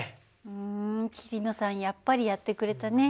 うん桐野さんやっぱりやってくれたね。